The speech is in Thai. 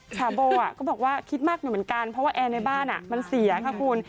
สาวโบก็บอกว่าคิดมากอยู่เหมือนกันเพราะว่าแอร์ในบ้านมันเสียค่ะคุณ